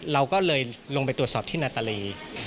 เราก็เลยลงไปตรวจสอบที่นาตาลี